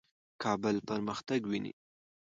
کابل پرمختګ ویني.